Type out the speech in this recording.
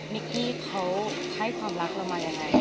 กี้เขาให้ความรักเรามายังไง